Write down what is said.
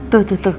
tuh tuh tuh